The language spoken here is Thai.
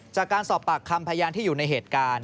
จากการสอบปากคำพยานที่อยู่ในเหตุการณ์